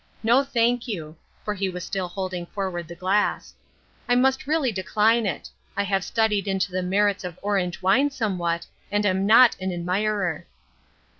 No, thank you, " for he was still holding forward the glass ;" I must really decline it ; I have studied into the merits of orange wine somewhat, and am not an admirer."